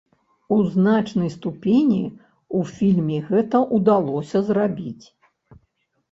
У значнай ступені ў фільме гэта ўдалося зрабіць.